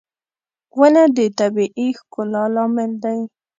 • ونه د طبيعي ښکلا لامل دی.